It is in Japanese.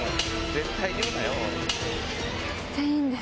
絶対言うなよ。